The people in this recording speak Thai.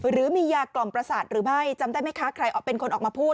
หรือมียากล่อมประสาทหรือไม่จำได้ไหมคะใครเป็นคนออกมาพูด